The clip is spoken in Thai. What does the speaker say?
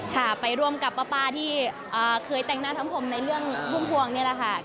ค่ะไปร่วมกับป้าที่เคยแต่งหน้าทำผมในเรื่องพุ่มพวงนี่แหละค่ะ